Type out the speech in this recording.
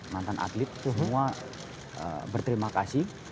mantan atlet semua berterima kasih